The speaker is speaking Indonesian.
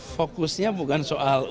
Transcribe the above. fokusnya bukan soal uangnya